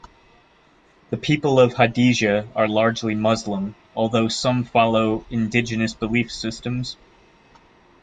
The people of Hadejia are largely Muslim, although some follow indigenous belief systems.